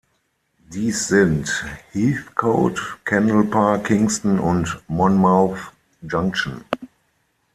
Dies sind Heathcote, Kendall Park, Kingston und Monmouth Junction.